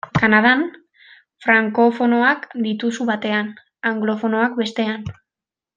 Kanadan, frankofonoak dituzu batean, anglofonoak bestean.